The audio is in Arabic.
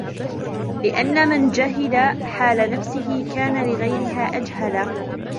لِأَنَّ مَنْ جَهِلَ حَالَ نَفْسِهِ كَانَ لِغَيْرِهَا أَجْهَلَ